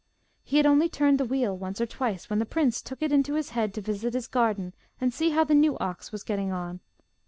He had only turned the wheel once or twice, when the prince took it into his head to visit his garden and see how the new ox was getting on.